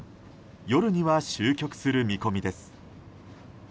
夜には終局する見込みです。